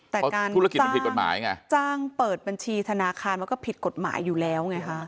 แต่การธุรกิจมันผิดกฎหมายไงจ้างเปิดบัญชีธนาคารมันก็ผิดกฎหมายอยู่แล้วไงคะ